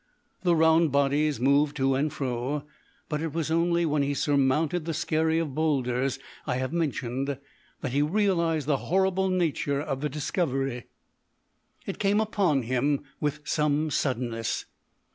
The round bodies moved to and fro, but it was only when he surmounted the skerry of boulders I have mentioned that he realised the horrible nature of the discovery. It came upon him with some suddenness.